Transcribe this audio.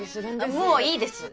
もういいです！